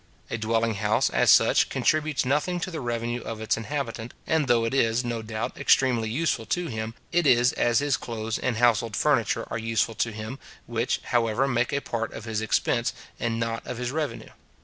A dwelling house, as such, contributes nothing to the revenue of its inhabitant; and though it is, no doubt, extremely useful to him, it is as his clothes and household furniture are useful to him, which, however, make a part of his expense, and not of his revenue.